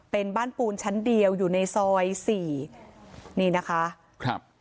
เป็นบ้านปูนชั้นเดียวอยู่ในซอยสี่นี่นะคะครับ